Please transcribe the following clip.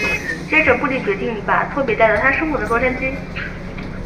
接着布莉决定把拖比带到他生活的洛杉矶。